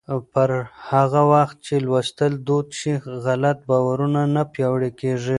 پر هغه وخت چې لوستل دود شي، غلط باورونه نه پیاوړي کېږي.